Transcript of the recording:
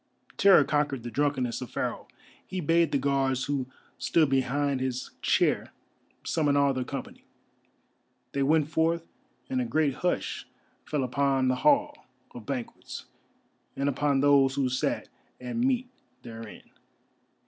Terror conquered the drunkenness of Pharaoh; he bade the Guards who stood behind his chair summon all their company. They went forth, and a great hush fell again upon the Hall of Banquets and upon those who sat at meat therein.